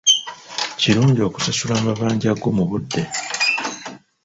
Kirungi okusasula amabanja go mu budde.